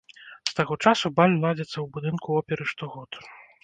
З таго часу баль ладзіцца ў будынку оперы штогод.